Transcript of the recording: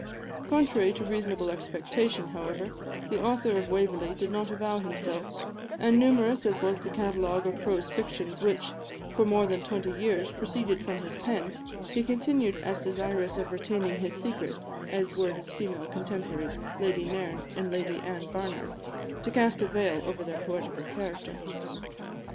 Contrary to reasonable expectation, however, the author of "Waverley" did not avow himself, and, numerous as was the catalogue of prose fictions which, for more than twenty years, proceeded from his pen, he continued as desirous of retaining his secret as were his female contemporaries, Lady Nairn and Lady Anne Barnard, to cast a veil over their poetical character.